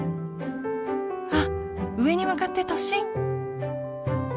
あっ上に向かって突進！